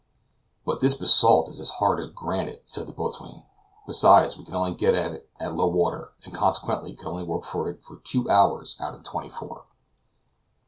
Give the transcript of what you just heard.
"But this basalt is as hard as granite," said the boatswain; "besides, we can only get at it at low water, and consequently could only work at it for two hours out of the twenty four."